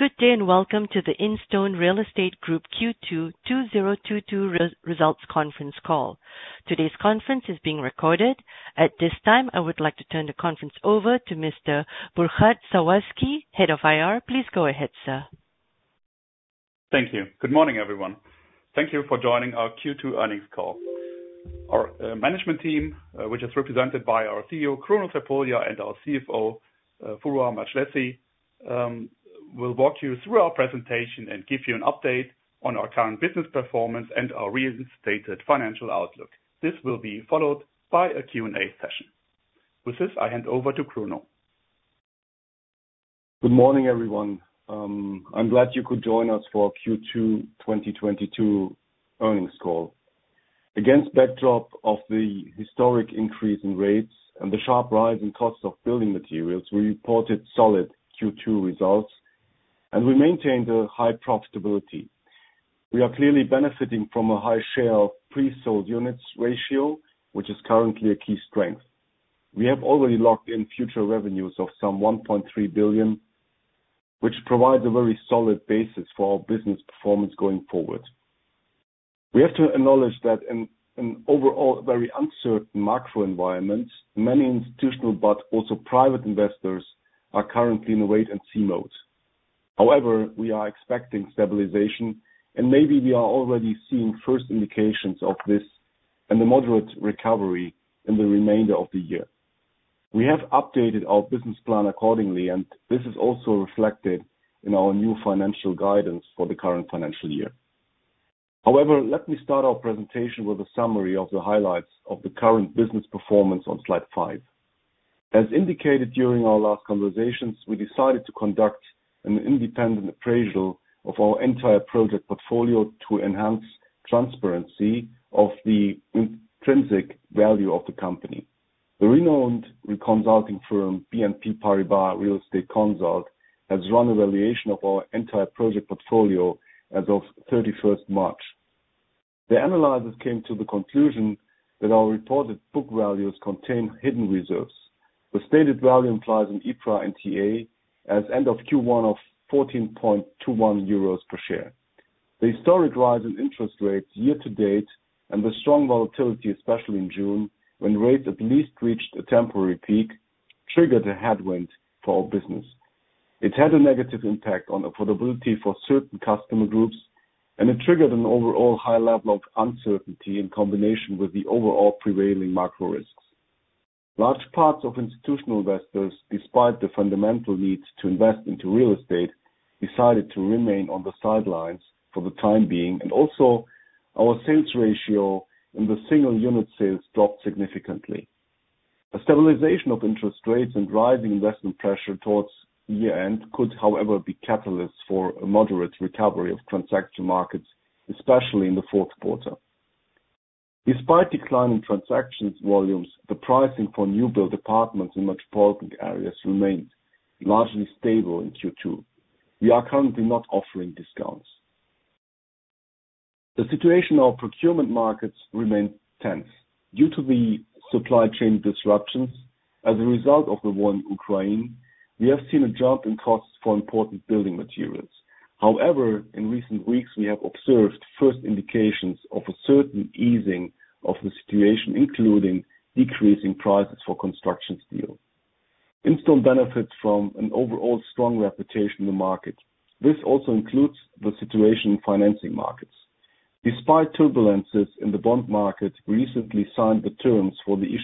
Good day and welcome to the Instone Real Estate Group Q2 2022 results conference call. Today's conference is being recorded. At this time, I would like to turn the conference over to Mr. Burkhard Sawazki, Head of IR. Please go ahead, sir. Thank you. Good morning, everyone. Thank you for joining our Q2 earnings call. Our management team, which is represented by our CEO, Kruno Crepulja, and our CFO, Foruhar Madjlessi, will walk you through our presentation and give you an update on our current business performance and our reinstated financial outlook. This will be followed by a Q&A session. With this, I hand over to Kruno. Good morning, everyone. I'm glad you could join us for Q2 2022 earnings call. Against backdrop of the historic increase in rates and the sharp rise in costs of building materials, we reported solid Q2 results, and we maintained a high profitability. We are clearly benefiting from a high share of pre-sold units ratio, which is currently a key strength. We have already locked in future revenues of some 1.3 billion, which provides a very solid basis for our business performance going forward. We have to acknowledge that in overall very uncertain macro environment, many institutional, but also private investors are currently in a wait-and-see mode. However, we are expecting stabilization, and maybe we are already seeing first indications of this and a moderate recovery in the remainder of the year. We have updated our business plan accordingly, and this is also reflected in our new financial guidance for the current financial year. However, let me start our presentation with a summary of the highlights of the current business performance on slide five. As indicated during our last conversations, we decided to conduct an independent appraisal of our entire project portfolio to enhance transparency of the intrinsic value of the company. The renowned consulting firm, BNP Paribas Real Estate, has run a valuation of our entire project portfolio as of March 31. The analysts came to the conclusion that our reported book values contain hidden reserves. The stated value implies an EPRA NTA at the end of Q1 of 14.21 euros per share. The historic rise in interest rates year to date and the strong volatility, especially in June, when rates at least reached a temporary peak, triggered a headwind for our business. It had a negative impact on affordability for certain customer groups, and it triggered an overall high level of uncertainty in combination with the overall prevailing macro risks. Large parts of institutional investors, despite the fundamental needs to invest into real estate, decided to remain on the sidelines for the time being, and also our sales ratio in the single unit sales dropped significantly. A stabilization of interest rates and rising investment pressure towards year-end could, however, be catalysts for a moderate recovery of transaction markets, especially in the Q4. Despite declining transactions volumes, the pricing for new build apartments in metropolitan areas remained largely stable in Q2. We are currently not offering discounts. The situation of procurement markets remains tense. Due to the supply chain disruptions as a result of the war in Ukraine, we have seen a jump in costs for important building materials. However, in recent weeks, we have observed first indications of a certain easing of the situation, including decreasing prices for construction steel. Instone benefits from an overall strong reputation in the market. This also includes the situation in financing markets. Despite turbulences in the bond market, we recently signed the terms for the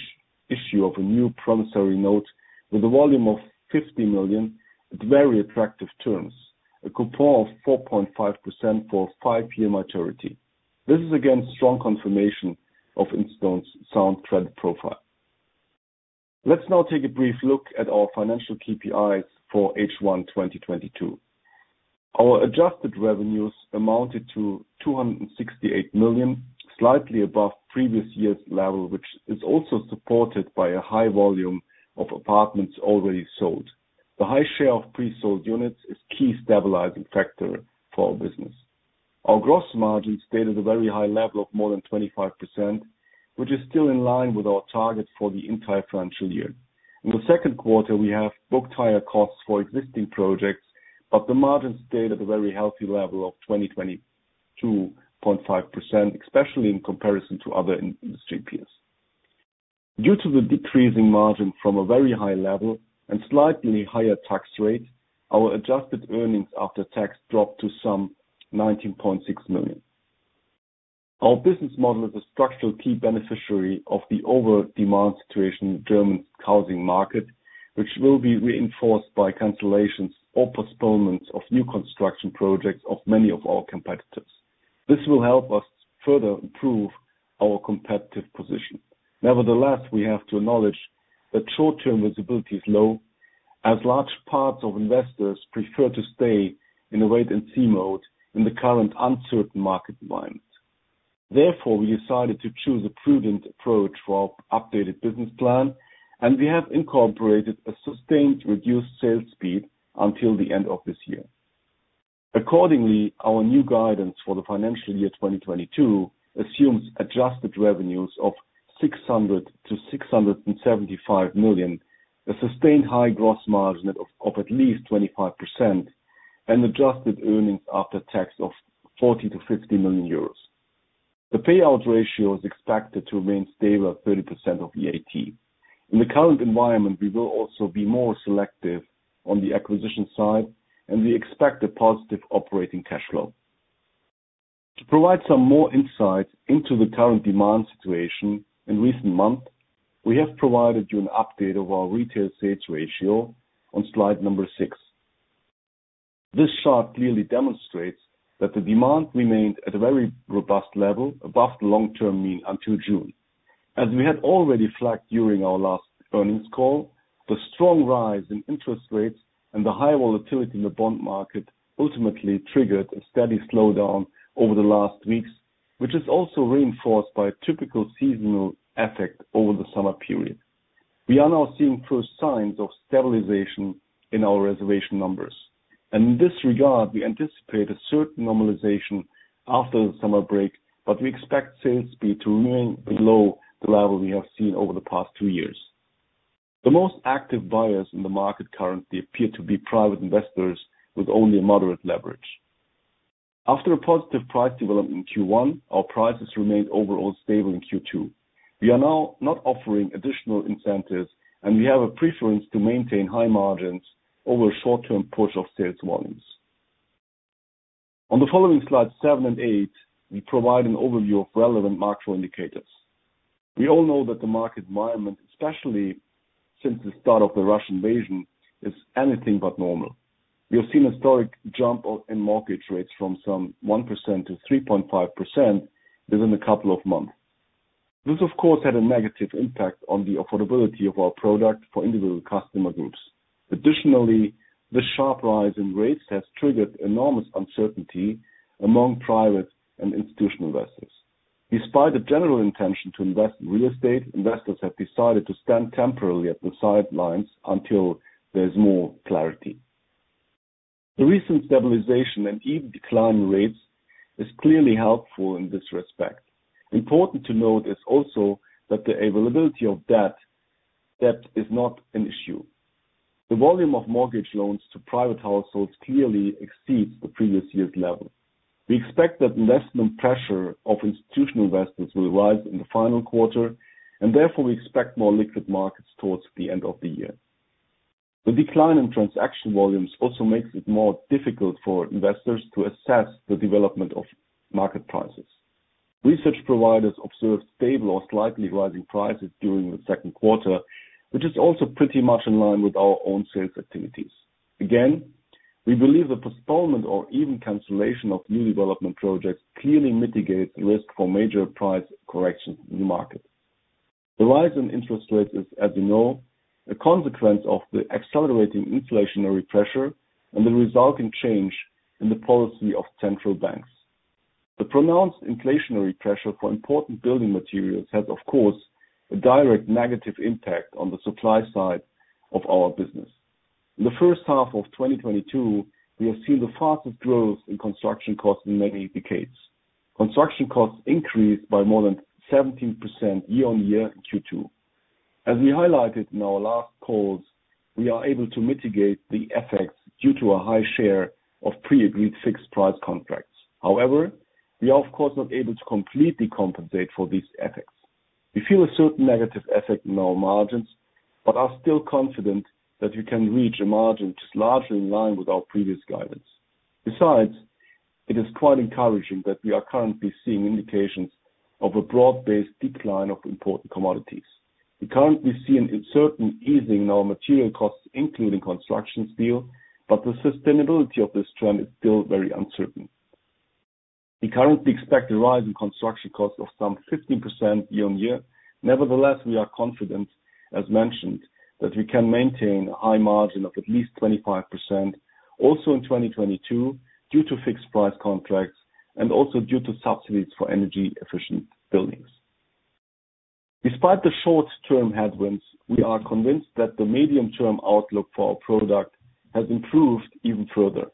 issue of a new promissory note with a volume of 50 million at very attractive terms, a coupon of 4.5% for 5-year maturity. This is again strong confirmation of Instone's sound credit profile. Let's now take a brief look at our financial KPIs for H1 2022. Our adjusted revenues amounted to 268 million, slightly above previous year's level, which is also supported by a high volume of apartments already sold. The high share of pre-sold units is key stabilizing factor for our business. Our gross margin stayed at a very high level of more than 25%, which is still in line with our targets for the entire financial year. In the Q2, we have booked higher costs for existing projects, but the margin stayed at a very healthy level of 22.5%, especially in comparison to other industry peers. Due to the decreasing margin from a very high level and slightly higher tax rate, our adjusted earnings after tax dropped to some 19.6 million. Our business model is a structural key beneficiary of the over-demand situation in German housing market, which will be reinforced by cancellations or postponements of new construction projects of many of our competitors. This will help us further improve our competitive position. Nevertheless, we have to acknowledge that short-term visibility is low as large parts of investors prefer to stay in a wait-and-see mode in the current uncertain market environment. Therefore, we decided to choose a prudent approach for our updated business plan, and we have incorporated a sustained reduced sales speed until the end of this year. Accordingly, our new guidance for the financial year 2022 assumes adjusted revenues of 600 million-675 million, a sustained high gross margin of at least 25% and adjusted earnings after tax of 40 million-50 million euros. The payout ratio is expected to remain stable at 30% of EAT. In the current environment, we will also be more selective on the acquisition side, and we expect a positive Operating Cash Flow. To provide some more insight into the current demand situation in recent months, we have provided you an update of our retail sales ratio on slide six. This chart clearly demonstrates that the demand remained at a very robust level above the long-term mean until June. As we had already flagged during our last earnings call, the strong rise in interest rates and the high volatility in the bond market ultimately triggered a steady slowdown over the last weeks, which is also reinforced by a typical seasonal effect over the summer period. We are now seeing first signs of stabilization in our reservation numbers. In this regard, we anticipate a certain normalization after the summer break, but we expect sales speed to remain below the level we have seen over the past two years. The most active buyers in the market currently appear to be private investors with only a moderate leverage. After a positive price development in Q1, our prices remained overall stable in Q2. We are now not offering additional incentives, and we have a preference to maintain high margins over short-term push of sales volumes. On the following slide seven and eight, we provide an overview of relevant macro indicators. We all know that the market environment, especially since the start of the Russian invasion, is anything but normal. We have seen a historic jump in mortgage rates from some 1%-3.5% within a couple of months. This, of course, had a negative impact on the affordability of our product for individual customer groups. Additionally, the sharp rise in rates has triggered enormous uncertainty among private and institutional investors. Despite a general intention to invest in real estate, investors have decided to stand temporarily at the sidelines until there's more clarity. The recent stabilization and even decline in rates is clearly helpful in this respect. Important to note is also that the availability of debt is not an issue. The volume of mortgage loans to private households clearly exceeds the previous year's level. We expect that investment pressure of institutional investors will rise in the final quarter, and therefore we expect more liquid markets towards the end of the year. The decline in transaction volumes also makes it more difficult for investors to assess the development of market prices. Research providers observe stable or slightly rising prices during the Q2, which is also pretty much in line with our own sales activities. Again, we believe the postponement or even cancellation of new development projects clearly mitigates the risk for major price corrections in the market. The rise in interest rates is, as you know, a consequence of the accelerating inflationary pressure and the resulting change in the policy of central banks. The pronounced inflationary pressure for important building materials has, of course, a direct negative impact on the supply side of our business. In the first half of 2022, we have seen the fastest growth in construction costs in many decades. Construction costs increased by more than 17% year-on-year in Q2. As we highlighted in our last calls, we are able to mitigate the effects due to a high share of pre-agreed fixed price contracts. However, we are of course not able to completely compensate for these effects. We feel a certain negative effect in our margins, but are still confident that we can reach a margin which is largely in line with our previous guidance. Besides, it is quite encouraging that we are currently seeing indications of a broad-based decline of important commodities. We currently see an uncertain easing in our material costs, including construction steel, but the sustainability of this trend is still very uncertain. We currently expect a rise in construction costs of some 15% year-over-year. Nevertheless, we are confident, as mentioned, that we can maintain a high margin of at least 25% also in 2022 due to fixed price contracts and also due to subsidies for energy efficient buildings. Despite the short-term headwinds, we are convinced that the medium-term outlook for our product has improved even further.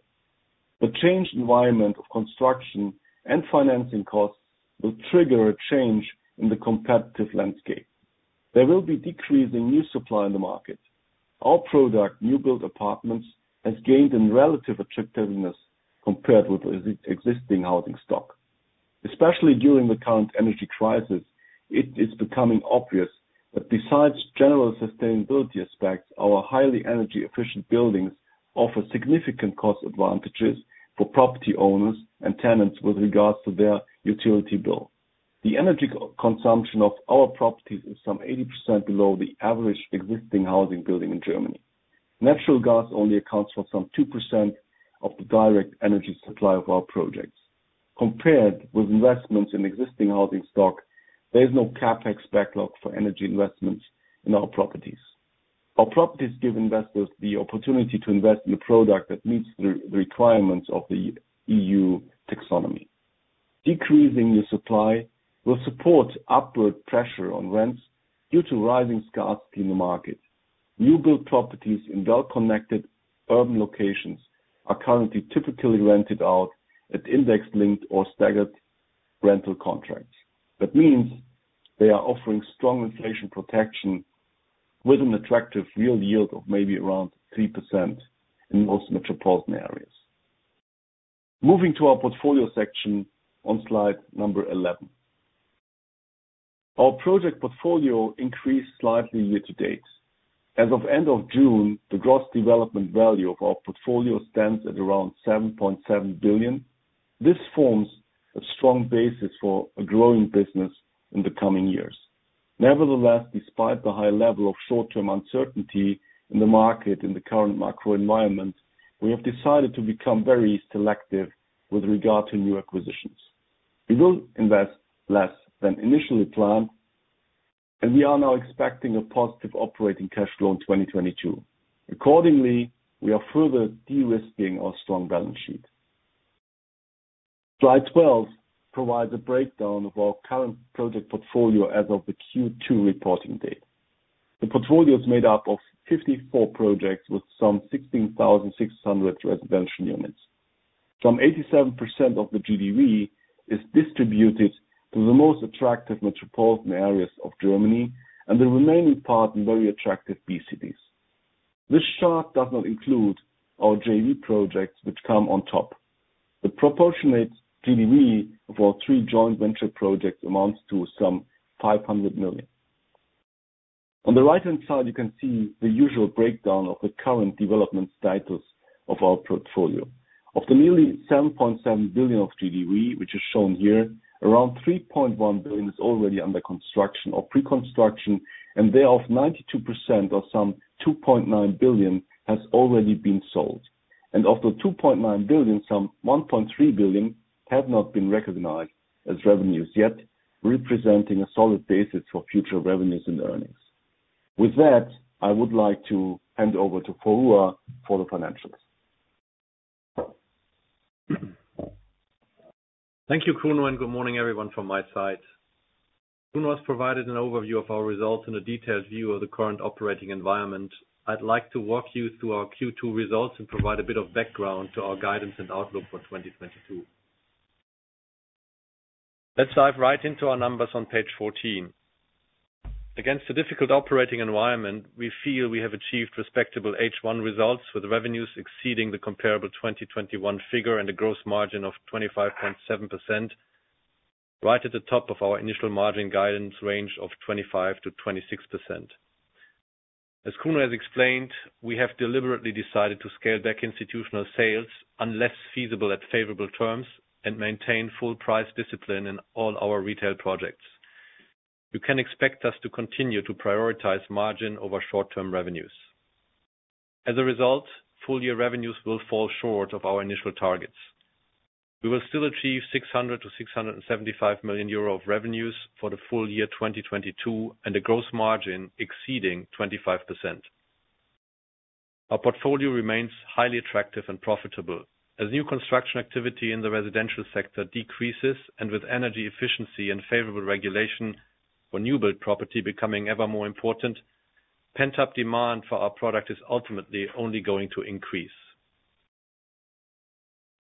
The changed environment of construction and financing costs will trigger a change in the competitive landscape. There will be decrease in new supply in the market. Our product, new build apartments, has gained in relative attractiveness compared with existing housing stock. Especially during the current energy crisis, it is becoming obvious that besides general sustainability aspects, our highly energy efficient buildings offer significant cost advantages for property owners and tenants with regards to their utility bill. The energy consumption of our properties is some 80% below the average existing housing building in Germany. Natural gas only accounts for some 2% of the direct energy supply of our projects. Compared with investments in existing housing stock, there is no CapEx backlog for energy investments in our properties. Our properties give investors the opportunity to invest in a product that meets the requirements of the EU taxonomy. Decreasing the supply will support upward pressure on rents due to rising scarcity in the market. New build properties in well-connected urban locations are currently typically rented out at index-linked or staggered rental contracts. That means they are offering strong inflation protection with an attractive real yield of maybe around 3% in most metropolitan areas. Moving to our portfolio section on slide 11. Our project portfolio increased slightly year to date. As of end of June, the gross development value of our portfolio stands at around 7.7 billion. This forms a strong basis for a growing business in the coming years. Nevertheless, despite the high level of short-term uncertainty in the market in the current macro environment, we have decided to become very selective with regard to new acquisitions. We will invest less than initially planned, and we are now expecting a positive Operating Cash Flow in 2022. Accordingly, we are further de-risking our strong balance sheet. Slide 12 provides a breakdown of our current project portfolio as of the Q2 reporting date. The portfolio is made up of 54 projects with some 16,600 residential units. Some 87% of the GDV is distributed to the most attractive metropolitan areas of Germany and the remaining part in very attractive B-cities. This chart does not include our JV projects which come on top. The proportionate GDV of our three joint venture projects amounts to some 500 million. On the right-hand side, you can see the usual breakdown of the current development status of our portfolio. Of the nearly 7.7 billion of GDV, which is shown here, around 3.1 billion is already under construction or pre-construction, and thereof, 92% of some 2.9 billion has already been sold. Of the 2.9 billion, some 1.3 billion have not been recognized as revenues yet, representing a solid basis for future revenues and earnings. With that, I would like to hand over to Foruhar for the financials. Thank you, Kruno, and good morning, everyone from my side. Kruno has provided an overview of our results and a detailed view of the current operating environment. I'd like to walk you through our Q2 results and provide a bit of background to our guidance and outlook for 2022. Let's dive right into our numbers on page 14. Against a difficult operating environment, we feel we have achieved respectable H1 results with revenues exceeding the comparable 2021 figure and a gross margin of 25.7% right at the top of our initial margin guidance range of 25%-26%. As Kruno has explained, we have deliberately decided to scale back institutional sales unless feasible at favorable terms and maintain full price discipline in all our retail projects. You can expect us to continue to prioritize margin over short-term revenues. As a result, full year revenues will fall short of our initial targets. We will still achieve 600 million-675 million euro of revenues for the full year 2022 and a gross margin exceeding 25%. Our portfolio remains highly attractive and profitable. As new construction activity in the residential sector decreases and with energy efficiency and favorable regulation for new build property becoming ever more important, pent-up demand for our product is ultimately only going to increase.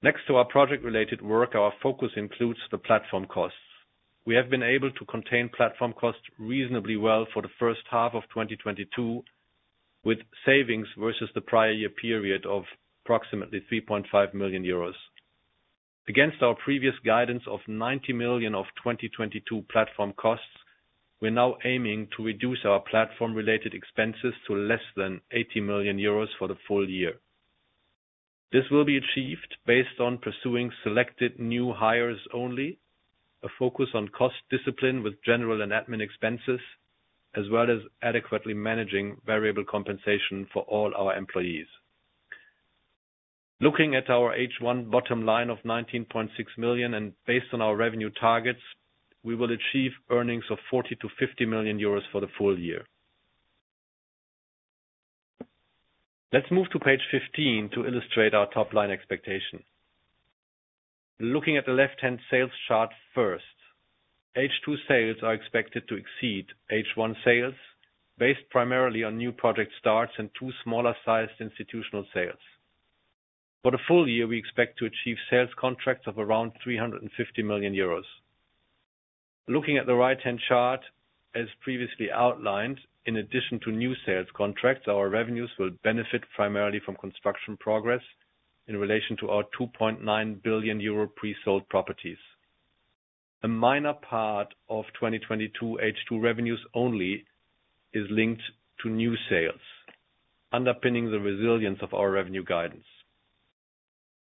Next to our project related work, our focus includes the platform costs. We have been able to contain platform costs reasonably well for the first half of 2022, with savings versus the prior year period of approximately 3.5 million euros. Against our previous guidance of 90 million for 2022 platform costs, we're now aiming to reduce our platform related expenses to less than 80 million euros for the full year. This will be achieved based on pursuing selected new hires only, a focus on cost discipline with general and admin expenses, as well as adequately managing variable compensation for all our employees. Looking at our H1 bottom line of 19.6 million and based on our revenue targets, we will achieve earnings of 40 million-50 million euros for the full year. Let's move to page 15 to illustrate our top line expectation. Looking at the left-hand sales chart first. H2 sales are expected to exceed H1 sales based primarily on new project starts and two smaller sized institutional sales. For the full year, we expect to achieve sales contracts of around 350 million euros. Looking at the right-hand chart as previously outlined, in addition to new sales contracts, our revenues will benefit primarily from construction progress in relation to our 2.9 billion euro pre-sold properties. A minor part of 2022 H2 revenues only is linked to new sales, underpinning the resilience of our revenue guidance.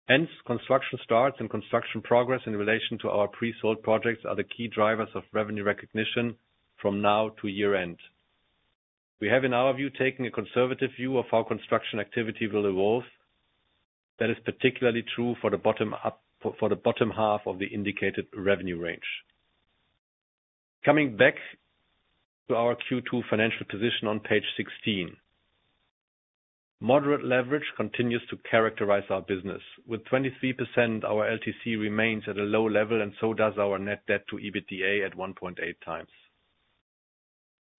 Hence, construction starts and construction progress in relation to our pre-sold projects are the key drivers of revenue recognition from now to year-end. We have, in our view, taken a conservative view of how construction activity will evolve. That is particularly true for the bottom half of the indicated revenue range. Coming back to our Q2 financial position on page 16. Moderate leverage continues to characterize our business. With 23% our LTC remains at a low level, and so does our net debt to EBITDA at 1.8x.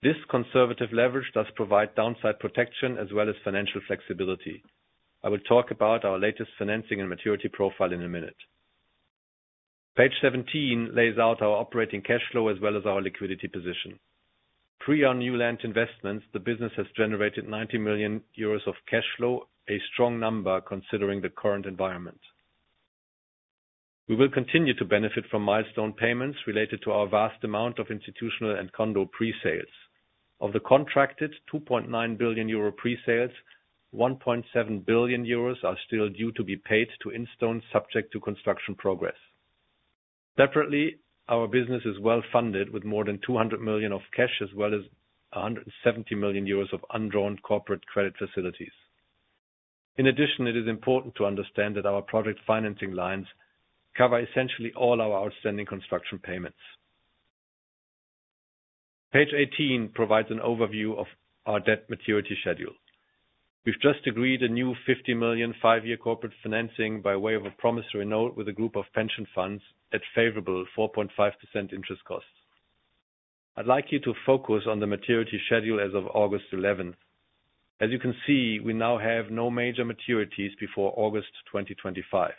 This conservative leverage does provide downside protection as well as financial flexibility. I will talk about our latest financing and maturity profile in a minute. Page 17 lays out our Operating Cash Flow as well as our liquidity position. Pre our new land investments, the business has generated 90 million euros of cash flow, a strong number considering the current environment. We will continue to benefit from milestone payments related to our vast amount of institutional and condo pre-sales. Of the contracted 2.9 billion euro pre-sales, 1.7 billion euros are still due to be paid to Instone subject to construction progress. Separately, our business is well funded with more than 200 million of cash, as well as 170 million euros of undrawn corporate credit facilities. In addition, it is important to understand that our project financing lines cover essentially all our outstanding construction payments. Page 18 provides an overview of our debt maturity schedule. We've just agreed a new 50 million 5-year corporate financing by way of a promissory note with a group of pension funds at favorable 4.5% interest costs. I'd like you to focus on the maturity schedule as of August 11. As you can see, we now have no major maturities before August 2025.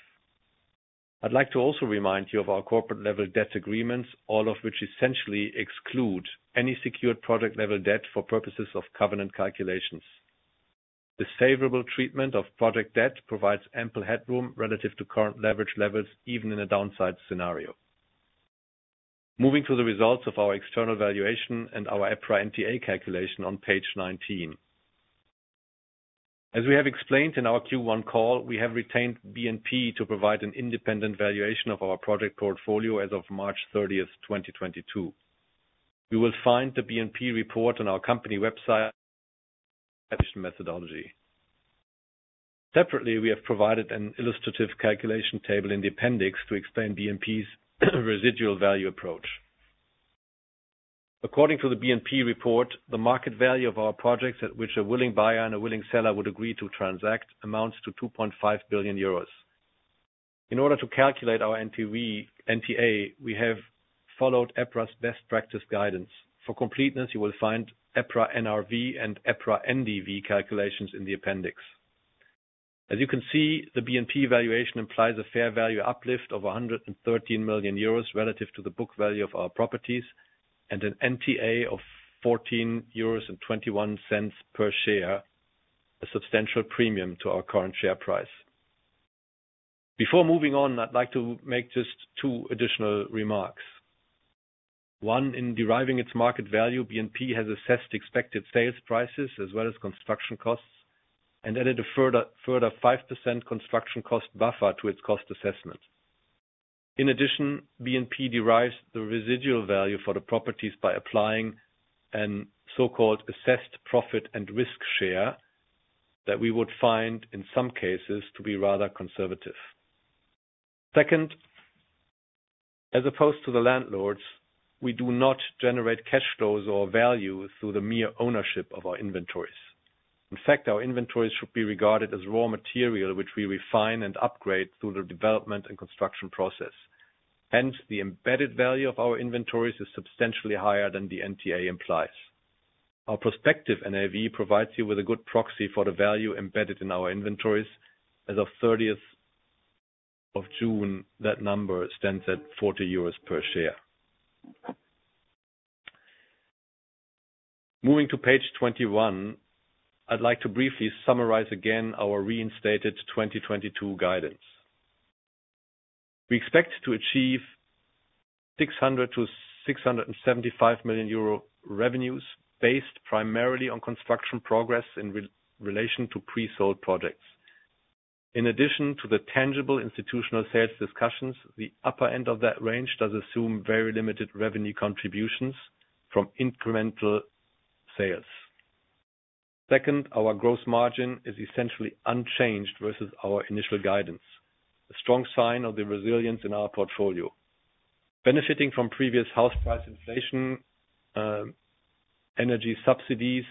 I'd like to also remind you of our corporate level debt agreements, all of which essentially exclude any secured project level debt for purposes of covenant calculations. This favorable treatment of project debt provides ample headroom relative to current leverage levels, even in a downside scenario. Moving to the results of our external valuation and our EPRA NTA calculation on page 19. As we have explained in our Q1 call, we have retained BNP to provide an independent valuation of our project portfolio as of March 30, 2022. You will find the BNP report on our company website methodology. Separately, we have provided an illustrative calculation table in the appendix to explain BNP's residual value approach. According to the BNP report, the market value of our projects at which a willing buyer and a willing seller would agree to transact amounts to 2.5 billion euros. In order to calculate our NTA, we have followed EPRA's best practice guidance. For completeness, you will find EPRA NRV and EPRA NDV calculations in the appendix. As you can see, the BNP valuation implies a fair value uplift of 113 million euros relative to the book value of our properties, and an NTA of 14.21 euros per share, a substantial premium to our current share price. Before moving on, I'd like to make just two additional remarks. One, in deriving its market value, BNP has assessed expected sales prices as well as construction costs, and added a further 5% construction cost buffer to its cost assessment. In addition, BNP derives the residual value for the properties by applying a so-called assessed profit and risk share that we would find, in some cases, to be rather conservative. Second, as opposed to the landlords, we do not generate cash flows or value through the mere ownership of our inventories. In fact, our inventories should be regarded as raw material, which we refine and upgrade through the development and construction process. Hence, the embedded value of our inventories is substantially higher than the NTA implies. Our prospective NAV provides you with a good proxy for the value embedded in our inventories. As of June 30th, that number stands at 40 euros per share. Moving to page 21, I'd like to briefly summarize again our reinstated 2022 guidance. We expect to achieve 600 million-675 million euro revenues based primarily on construction progress in relation to pre-sold projects. In addition to the tangible institutional sales discussions, the upper end of that range does assume very limited revenue contributions from incremental sales. Second, our gross margin is essentially unchanged versus our initial guidance, a strong sign of the resilience in our portfolio. Benefiting from previous house price inflation, energy subsidies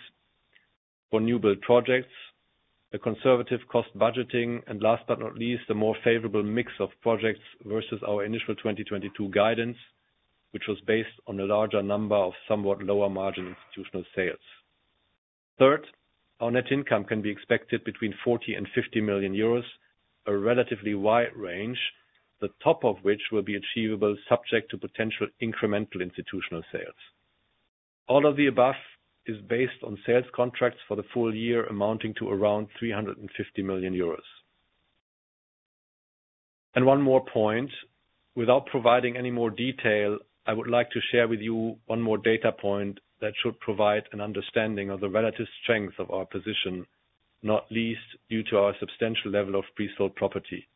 for new build projects, a conservative cost budgeting and last but not least, a more favorable mix of projects versus our initial 2022 guidance, which was based on a larger number of somewhat lower margin institutional sales. Third, our net income can be expected between 40 million and 50 million euros, a relatively wide range, the top of which will be achievable subject to potential incremental institutional sales. All of the above is based on sales contracts for the full year amounting to around 350 million euros. One more point. Without providing any more detail, I would like to share with you one more data point that should provide an understanding of the relative strength of our position, not least due to our substantial level of pre-sold property.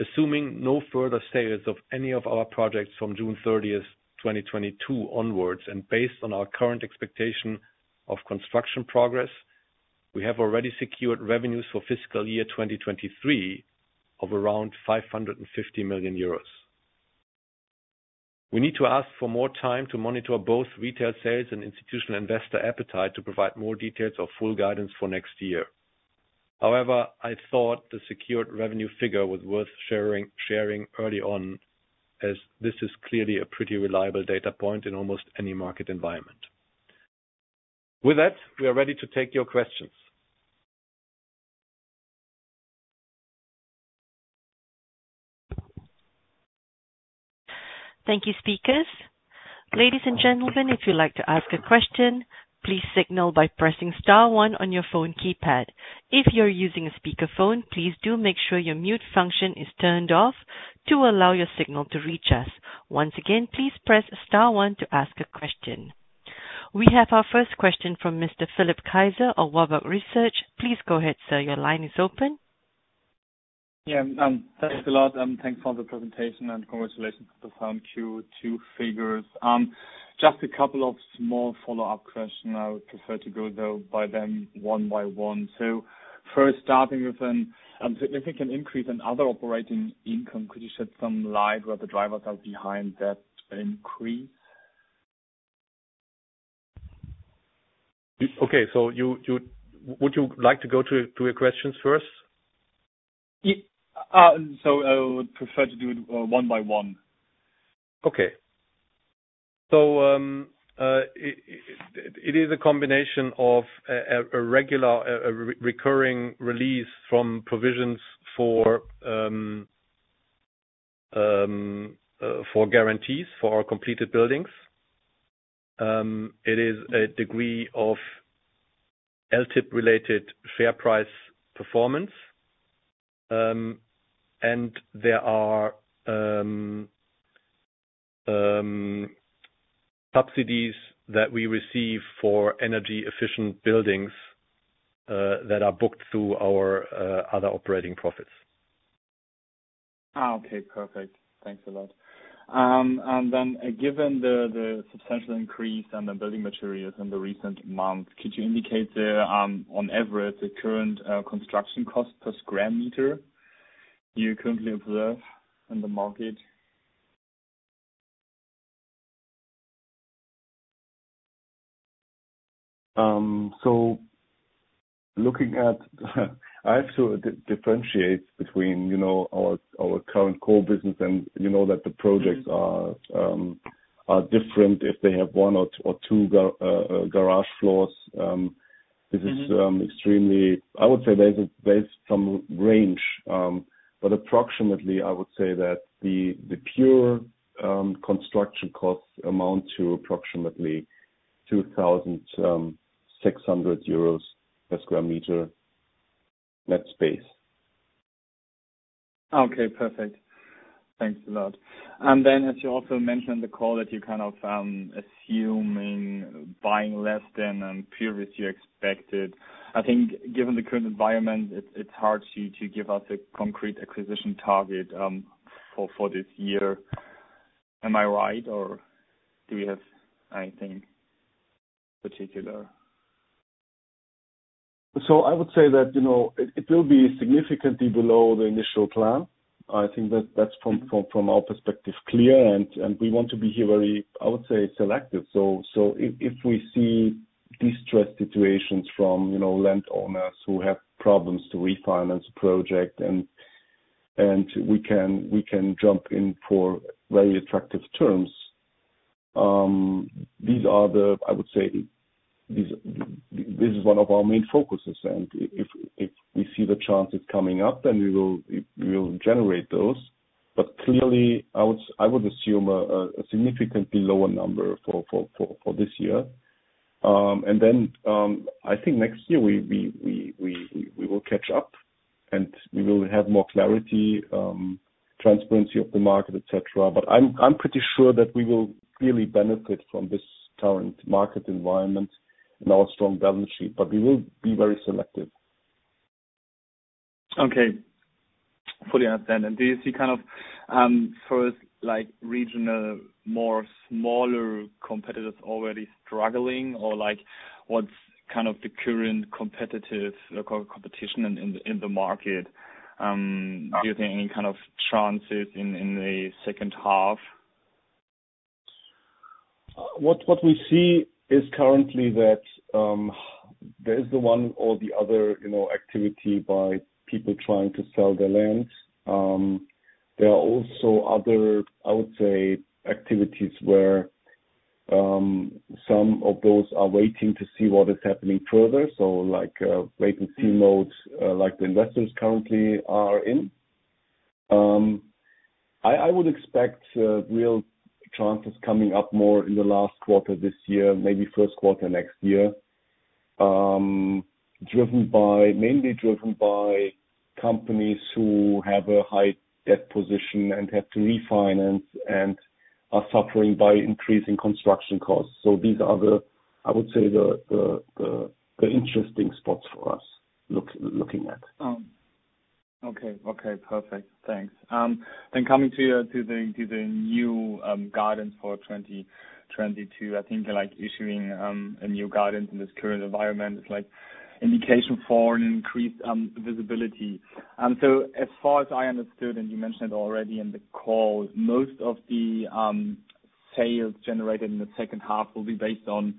Assuming no further sales of any of our projects from June 30, 2022 onwards, and based on our current expectation of construction progress. We have already secured revenues for fiscal year 2023 of around 550 million euros. We need to ask for more time to monitor both retail sales and institutional investor appetite to provide more details or full guidance for next year. However, I thought the secured revenue figure was worth sharing early on as this is clearly a pretty reliable data point in almost any market environment. With that, we are ready to take your questions. Thank you, speakers. Ladies and gentlemen, if you'd like to ask a question, please signal by pressing star one on your phone keypad. If you're using a speakerphone, please do make sure your mute function is turned off to allow your signal to reach us. Once again, please press star one to ask a question. We have our first question from Mr. Philipp Kaiser of Warburg Research. Please go ahead, sir. Your line is open. Yeah. Thanks a lot. Thanks for the presentation, and congratulations on the Q2 figures. Just a couple of small follow-up questions. I would prefer to go through them one by one. First, starting with a significant increase in other operating income. Could you shed some light on what the drivers are behind that increase? Okay. Would you like to go to your questions first? I would prefer to do it one by one. It is a combination of a regular recurring release from provisions for guarantees for our completed buildings. It is a degree of LTIP-related share price performance. There are subsidies that we receive for energy-efficient buildings that are booked through our other operating profits. Oh, okay. Perfect. Thanks a lot. Given the substantial increase in the building materials in the recent months, could you indicate, on average, the current construction cost per square meter you currently observe in the market? So looking at I have to differentiate between, you know, our current core business and, you know, that the projects are different if they have one or two garage floors. This is extremely. I would say there's some range, but approximately, I would say that the pure construction costs amount to approximately 2,600 euros per square meter net space. Okay, perfect. Thanks a lot. As you also mentioned on the call that you're kind of assuming buying less projects than you expected. I think given the current environment, it's hard to give us a concrete acquisition target for this year. Am I right, or do you have anything particular? I would say that, you know, it will be significantly below the initial plan. I think that that's from our perspective clear, and we want to be here very, I would say, selective. If we see distressed situations from, you know, landowners who have problems to refinance a project and we can jump in for very attractive terms, I would say this is one of our main focuses. If we see the chances coming up, then we will generate those. Clearly, I would assume a significantly lower number for this year. I think next year, we will catch up, and we will have more clarity, transparency of the market, et cetera. I'm pretty sure that we will clearly benefit from this current market environment and our strong balance sheet, but we will be very selective. Okay. Fully understand. Do you see kind of first like regional more smaller competitors already struggling or like what's kind of the current competitive competition in the market? Do you think any kind of chances in the second half? What we see currently is that there is the one or the other, you know, activity by people trying to sell their lands. There are also other, I would say, activities where some of those are waiting to see what is happening further. Like, wait-and-see modes, like the investors currently are in. I would expect real chances coming up more in the last quarter this year, maybe Q1 next year, mainly driven by companies who have a high debt position and have to refinance and are suffering by increasing construction costs. These are the, I would say, the interesting spots for us looking at. Okay, perfect. Thanks. Coming to the new guidance for 2022, I think like issuing a new guidance in this current environment is like indication for an increased visibility. As far as I understood, and you mentioned already in the call, most of the sales generated in the second half will be based on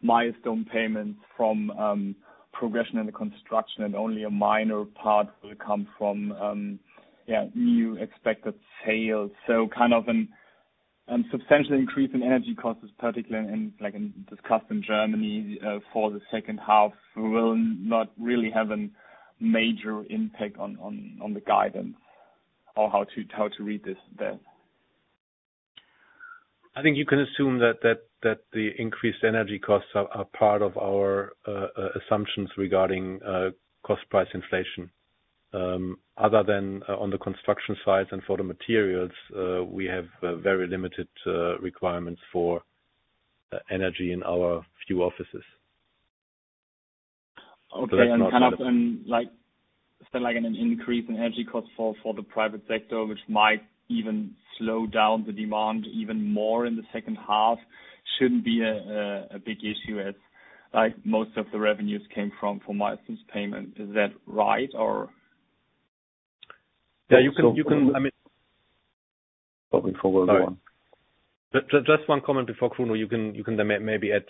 milestone payments from progression in the construction, and only a minor part will come from yeah, new expected sales. Kind of a substantial increase in energy costs, particularly as discussed in Germany, for the second half will not really have a major impact on the guidance or how to read this then. I think you can assume that the increased energy costs are part of our assumptions regarding cost price inflation. Other than on the construction side and for the materials, we have very limited requirements for energy in our few offices. Okay. Kind of, like, say like an increase in energy costs for the private sector, which might even slow down the demand even more in the second half shouldn't be a big issue as like most of the revenues came from milestone payment. Is that right or? Yeah, you can. I mean Going forward one. Sorry. Just one comment before Kruno. You can then add.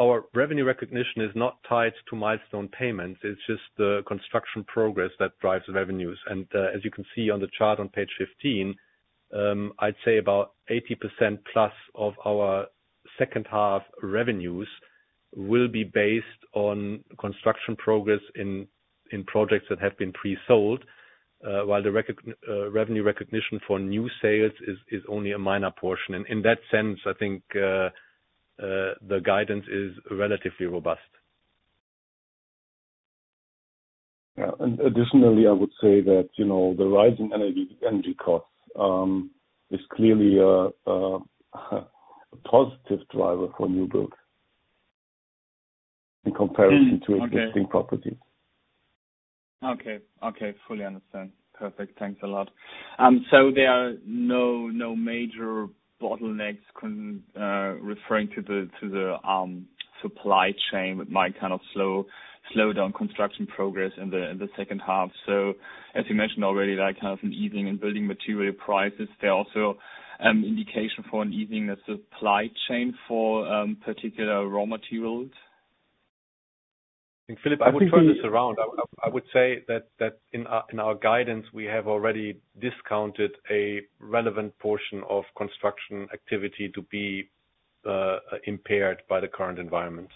Our revenue recognition is not tied to milestone payments. It's just the construction progress that drives the revenues. As you can see on the chart on page 15, I'd say about 80% plus of our second half revenues will be based on construction progress in projects that have been pre-sold, while the revenue recognition for new sales is only a minor portion. In that sense, I think the guidance is relatively robust. Yeah. Additionally, I would say that, you know, the rise in energy costs is clearly a positive driver for new build in comparison- Okay. To existing properties. Okay. Okay, I fully understand. Perfect. Thanks a lot. There are no major bottlenecks referring to the supply chain that might kind of slow down construction progress in the second half. As you mentioned already, like, kind of an easing in building material prices, there are also indications for an easing in the supply chain for particular raw materials. Philipp, I would turn this around. I would say that in our guidance, we have already discounted a relevant portion of construction activity to be impaired by the current environment.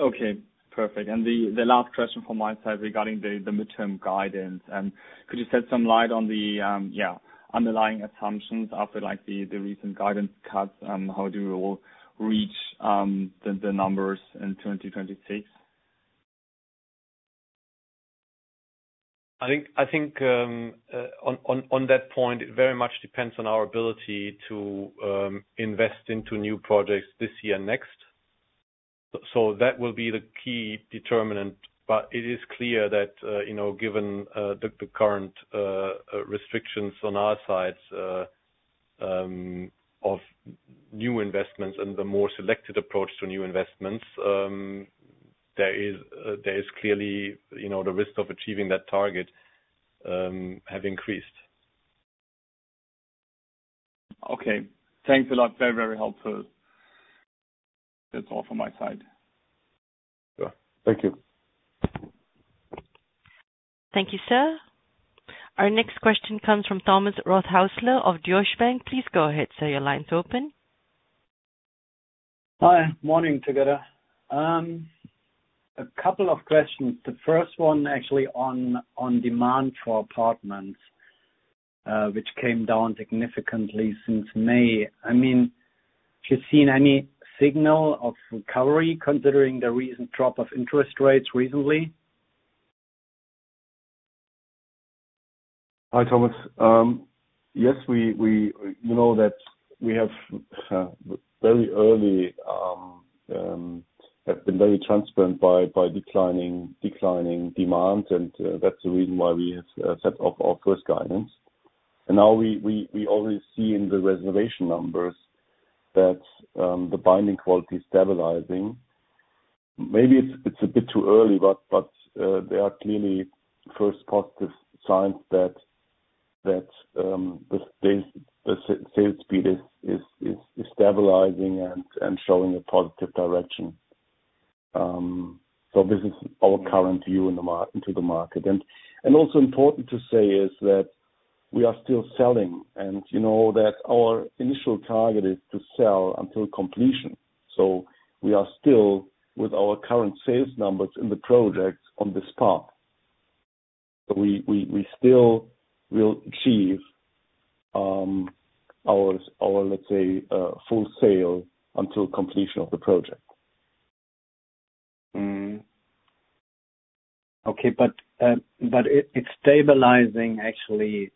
Okay, perfect. The last question from my side regarding the midterm guidance. Could you shed some light on the underlying assumptions after like the recent guidance cuts, how do you all reach the numbers in 2026? I think on that point, it very much depends on our ability to invest into new projects this year next. That will be the key determinant. It is clear that, you know, given the current restrictions on our sides of new investments and the more selected approach to new investments, there is clearly, you know, the risk of achieving that target have increased. Okay. Thanks a lot. Very, very helpful. That's all from my side. Yeah. Thank you. Thank you, sir. Our next question comes from Thomas Rothäusler of Deutsche Bank. Please go ahead, sir. Your line's open. Hi. Morning together. A couple of questions. The first one actually on demand for apartments, which came down significantly since May. I mean, have you seen any signal of recovery considering the recent drop of interest rates recently? Hi, Thomas. Yes, you know that we have very early been very transparent about declining demand, and that's the reason why we have set up our first guidance. Now we already see in the reservation numbers that the binding quality is stabilizing. Maybe it's a bit too early, but there are clearly first positive signs that the sales speed is stabilizing and showing a positive direction. This is our current view into the market. Also important to say is that we are still selling and you know that our initial target is to sell until completion. We are still with our current sales numbers in the projects on this path. We still will achieve our let's say full sale until completion of the project. It's stabilizing actually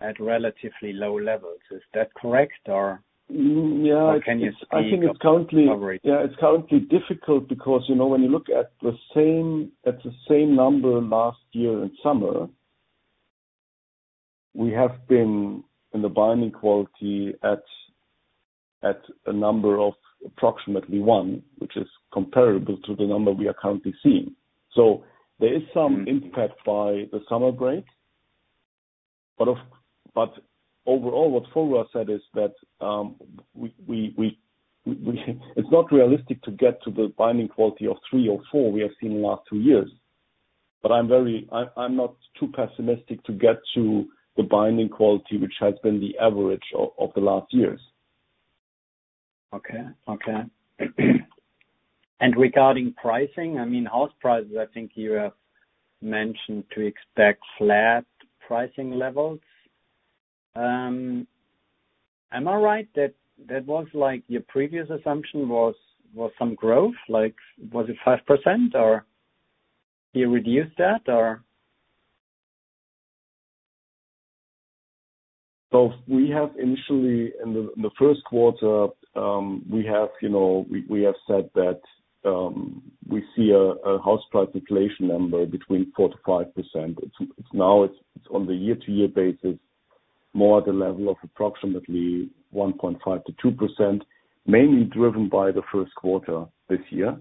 at relatively low levels. Is that correct or- Yeah. Can you speak of recovery? Yeah, it's currently difficult because, you know, when you look at the same number last year in summer, we have been in the binding quality at a number of approximately one, which is comparable to the number we are currently seeing. There is some impact by the summer break. Overall, what Foruhar said is that, it's not realistic to get to the binding quality of three or four we have seen in the last two years. I'm not too pessimistic to get to the binding quality, which has been the average of the last years. Okay. Regarding pricing, I mean, house prices, I think you have mentioned to expect flat pricing levels. Am I right that that was like your previous assumption was some growth? Like, was it 5% or you reduced that, or? We initially in the Q1 said that we see a house price inflation number between 4%-5%. It's now on the year-to-year basis more at the level of approximately 1.5%-2%, mainly driven by the Q1 this year.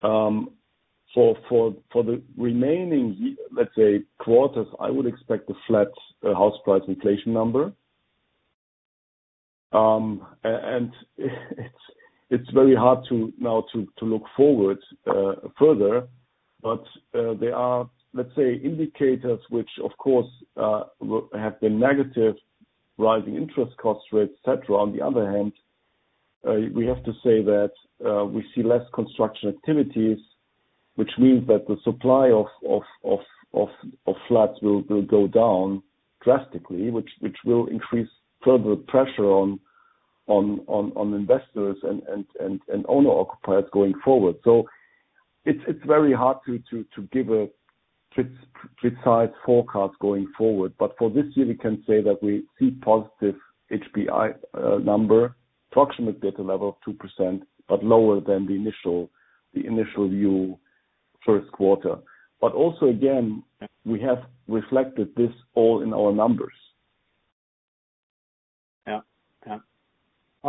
For the remaining quarters, I would expect a flat house price inflation number. It's very hard now to look forward further. There are let's say indicators which of course have been negative, rising interest rates, et cetera. On the other hand, we have to say that we see less construction activities, which means that the supply of flats will go down drastically, which will increase further pressure on investors and owner occupiers going forward. It's very hard to give a precise forecast going forward. For this year, we can say that we see positive HPI number, approximate data level of 2%, but lower than the initial view Q1. Also again, we have reflected this all in our numbers.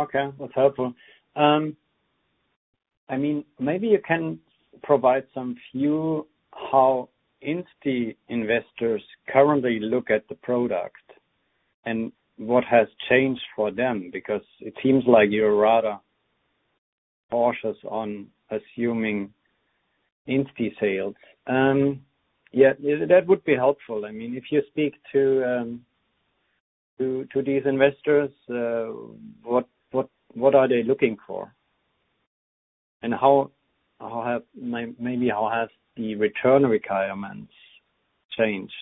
Yeah. Yeah. Okay. That's helpful. I mean, maybe you can provide some view on how insti investors currently look at the product and what has changed for them, because it seems like you're rather cautious on assuming insti sales. Yeah, that would be helpful. I mean, if you speak to these investors, what are they looking for? How have the return requirements changed?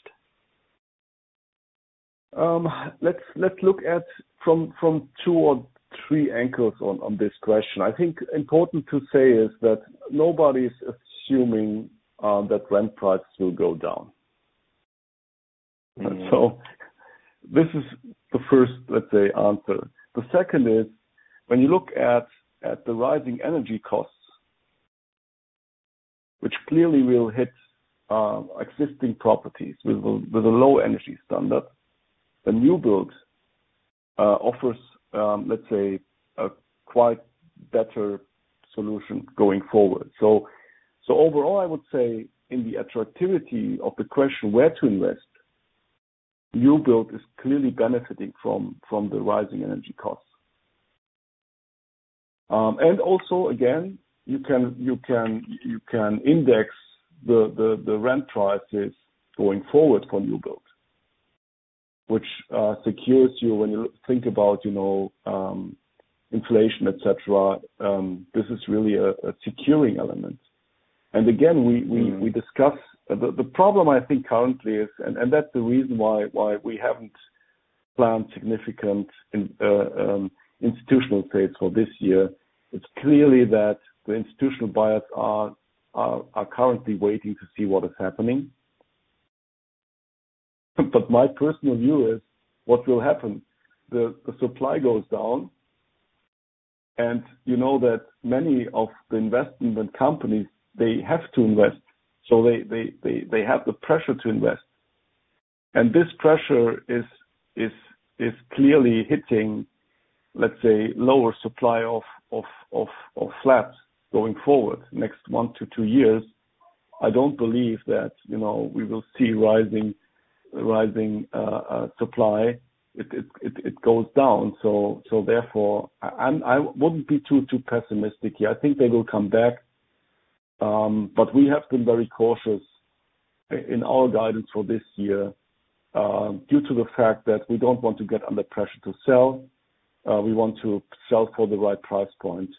Let's look at from two or three angles on this question. I think important to say is that nobody's assuming that rent prices will go down. Mm-hmm. This is the first, let's say, answer. The second is, when you look at the rising energy costs, which clearly will hit existing properties with a low energy standard. The new builds offers, let's say a quite better solution going forward. Overall, I would say in the attractivity of the question where to invest, new build is clearly benefiting from the rising energy costs. And also again, you can index the rent prices going forward for new builds, which secures you when you think about, you know, inflation, et cetera. This is really a securing element. Again, we discussed. Mm-hmm. The problem I think currently is and that's the reason why we haven't planned significant institutional space for this year. It's clear that the institutional buyers are currently waiting to see what is happening. My personal view is what will happen, the supply goes down, and you know that many of the investment companies, they have to invest. They have the pressure to invest. This pressure is clearly hitting, let's say, lower supply of flats going forward. Next 1-2 years, I don't believe that, you know, we will see rising supply. It goes down. Therefore, I wouldn't be too pessimistic here. I think they will come back. We have been very cautious in our guidance for this year, due to the fact that we don't want to get under pressure to sell. We want to sell for the right price point.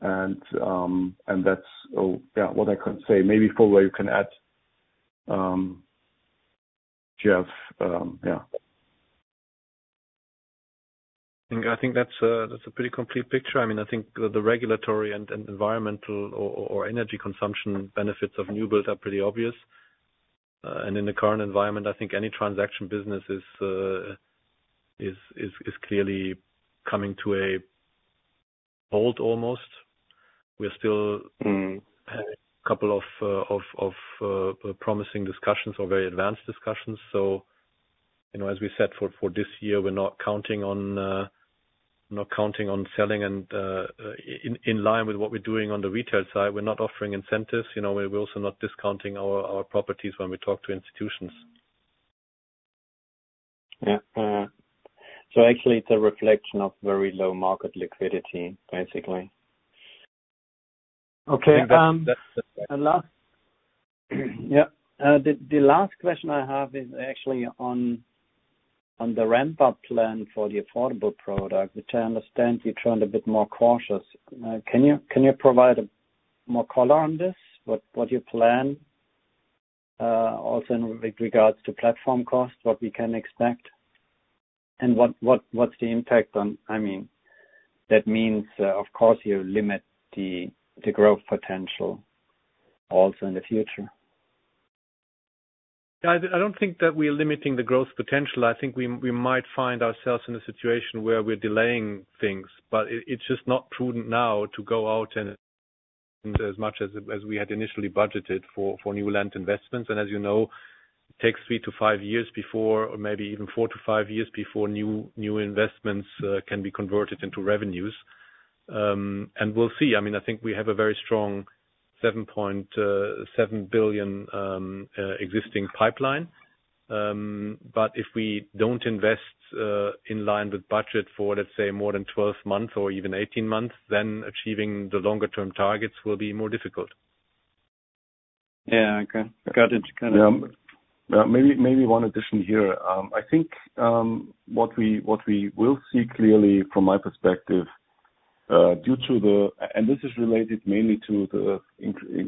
That's, yeah, what I can say. Maybe, Foruhar, you can add, [Jeff], yeah. I think that's a pretty complete picture. I mean, I think the regulatory and environmental or energy consumption benefits of new build are pretty obvious. In the current environment, I think any transaction business is clearly coming to a halt almost. We're still having a couple of promising discussions or very advanced discussions. You know, as we said for this year, we're not counting on selling and in line with what we're doing on the retail side. We're not offering incentives, you know, we're also not discounting our properties when we talk to institutions. Yeah. Actually it's a reflection of very low market liquidity, basically. Okay. That's. The last question I have is actually on the ramp-up plan for the affordable product, which I understand you turned a bit more cautious. Can you provide more color on this? What you plan also in regards to platform costs, what we can expect and what's the impact on. I mean, that means, of course, you limit the growth potential also in the future. I don't think that we are limiting the growth potential. I think we might find ourselves in a situation where we're delaying things, but it's just not prudent now to go out and as much as we had initially budgeted for new land investments. As you know, it takes 3-5 years before, or maybe even 4-5 years before new investments can be converted into revenues. We'll see. I mean, I think we have a very strong 7.7 billion existing pipeline. If we don't invest in line with budget for, let's say more than 12 months or even 18 months, then achieving the longer-term targets will be more difficult. Yeah. Okay. Got it. Yeah. Maybe one addition here. I think what we will see clearly from my perspective due to this is related mainly to the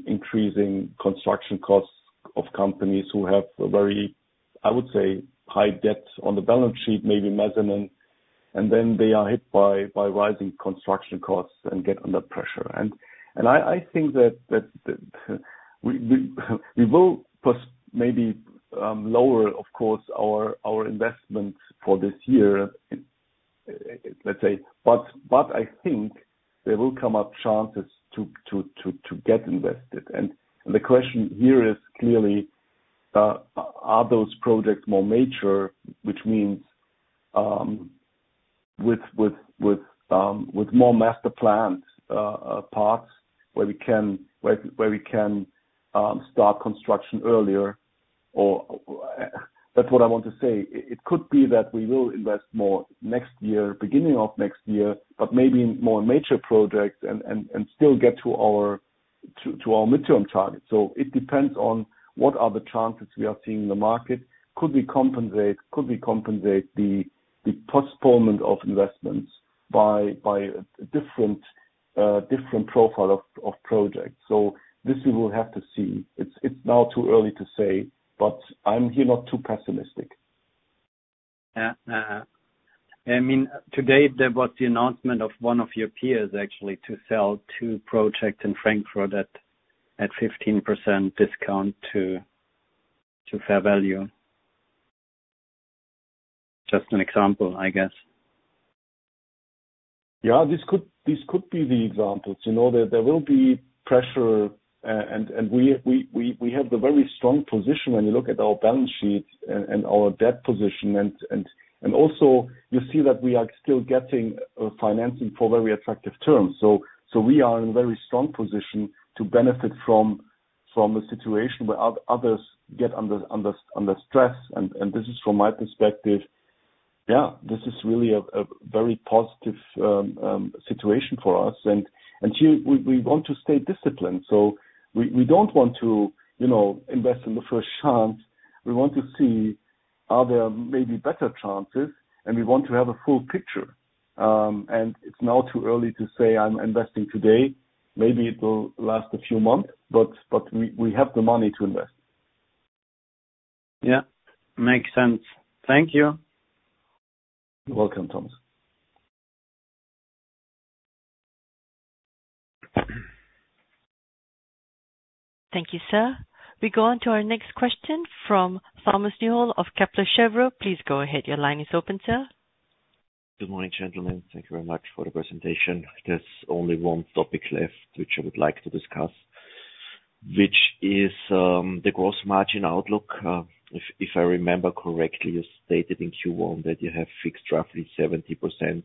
increasing construction costs of companies who have a very, I would say, high debt on the balance sheet, maybe mezzanine, and then they are hit by rising construction costs and get under pressure. I think that we will maybe lower, of course, our investment for this year, let's say. I think there will come up chances to get invested. The question here is clearly, are those projects more mature, which means with more master planned parts where we can start construction earlier. That's what I want to say. It could be that we will invest more next year, beginning of next year, but maybe more major projects and still get to our midterm targets. It depends on what are the chances we are seeing in the market. Could we compensate the postponement of investments by a different profile of projects? This we will have to see. It's now too early to say, but I'm here, not too pessimistic. Yeah. I mean, today there was the announcement of one of your peers actually to sell two projects in Frankfurt at 15% discount to fair value. Just an example, I guess. Yeah. This could be the examples. You know, there will be pressure, and we have the very strong position when you look at our balance sheets and our debt position. You see that we are still getting financing for very attractive terms. We are in a very strong position to benefit from a situation where others get under stress. This is from my perspective. Yeah, this is really a very positive situation for us. Here we want to stay disciplined. We don't want to, you know, invest in the first chance. We want to see are there maybe better chances, and we want to have a full picture. It's now too early to say, I'm investing today. Maybe it will last a few months, but we have the money to invest. Yeah. Makes sense. Thank you. You're welcome, Thomas. Thank you, sir. We go on to our next question from Thomas Neuhold of Kepler Cheuvreux. Please go ahead. Your line is open, sir. Good morning, gentlemen. Thank you very much for the presentation. There's only one topic left, which I would like to discuss, which is the gross margin outlook. If I remember correctly, you stated in Q1 that you have fixed roughly 70%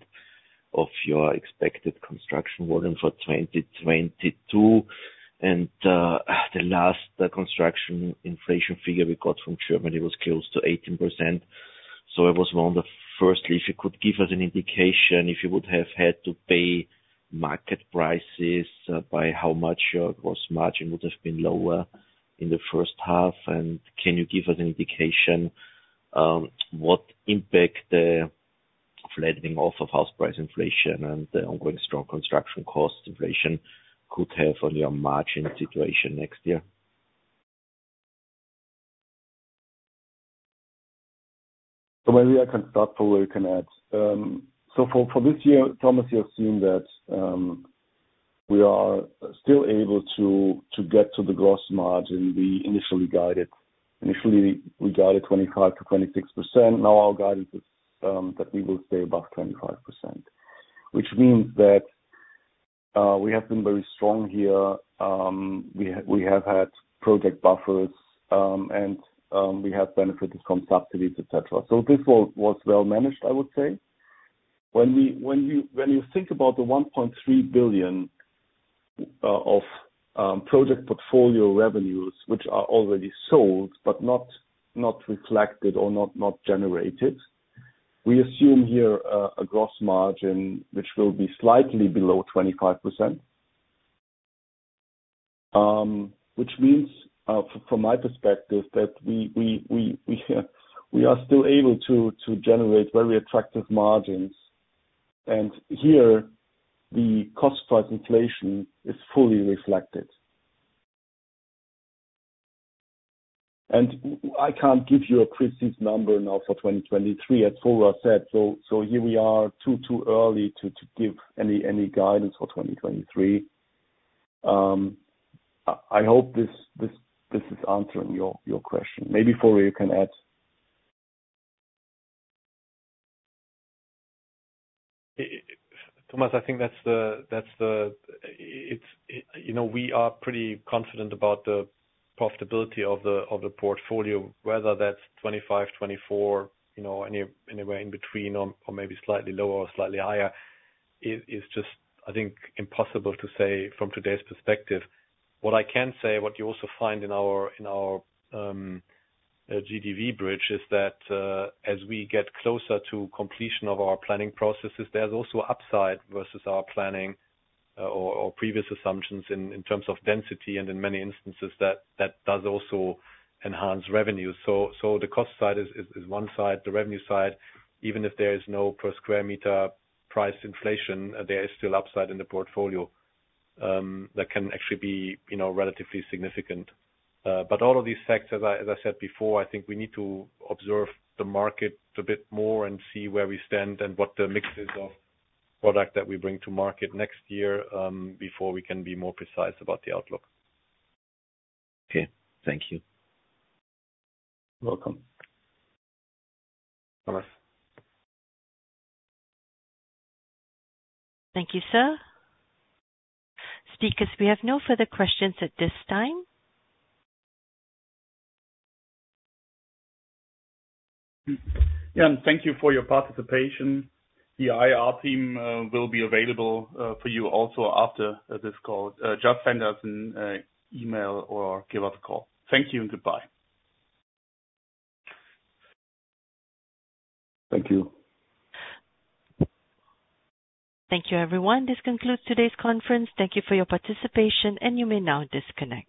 of your expected construction volume for 2022. The last construction inflation figure we got from Germany was close to 18%. I was wondering firstly, if you could give us an indication, if you would have had to pay market prices, by how much gross margin would have been lower in the first half. Can you give us an indication, what impact the flattening off of house price inflation and the ongoing strong construction cost inflation could have on your margin situation next year? Maybe I can start before you can add. For this year, Thomas, you have seen that we are still able to get to the gross margin we initially guided. Initially, we guided 25%-26%. Now our guidance is that we will stay above 25%, which means that we have been very strong here. We have had project buffers and we have benefited from subsidies, et cetera. This was well managed, I would say. When you think about the 1.3 billion of project portfolio revenues, which are already sold but not reflected or not generated, we assume here a gross margin which will be slightly below 25%. which means, from my perspective that we are still able to generate very attractive margins. Here the cost price inflation is fully reflected. I can't give you a precise number now for 2023, as Foruhar said. Here we are too early to give any guidance for 2023. I hope this is answering your question. Maybe, Foruhar, you can add. Thomas, I think that's the. You know, we are pretty confident about the profitability of the portfolio, whether that's 25, 24, you know, any, anywhere in between or maybe slightly lower or slightly higher. It is just I think impossible to say from today's perspective. What I can say, what you also find in our GDV bridge is that as we get closer to completion of our planning processes, there's also upside versus our planning or previous assumptions in terms of density and in many instances that does also enhance revenue. So the cost side is one side. The revenue side, even if there is no per square meter price inflation, there is still upside in the portfolio that can actually be you know relatively significant. All of these facts, as I said before, I think we need to observe the market a bit more and see where we stand and what the mix is of product that we bring to market next year, before we can be more precise about the outlook. Okay. Thank you. You're welcome, Thomas. Thank you, sir. Speakers, we have no further questions at this time. Yeah, thank you for your participation. The IR team will be available for you also after this call. Just send us an email or give us a call. Thank you and goodbye. Thank you. Thank you, everyone. This concludes today's conference. Thank you for your participation, and you may now disconnect.